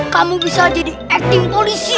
kamu bisa jadi acting polisi